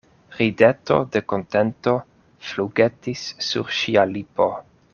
Rideto de kontento flugetis sur ŝia lipo.